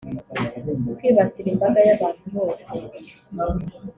kwibasira imbaga y’ abantu bose